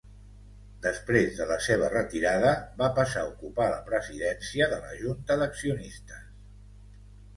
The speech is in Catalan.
Després de la seva retirada, va passar a ocupar la Presidència de la Junta d'Accionistes.